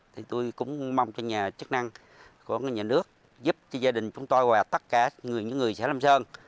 thì tôi cũng mong cho nhà chức năng của nhà nước giúp cho gia đình chúng tôi và tất cả những người xã lâm sơn